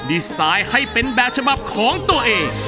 ดีไซน์ให้เป็นแบบฉบับของตัวเอง